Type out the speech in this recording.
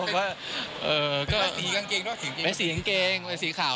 ไม่สีกางเกงสีขาว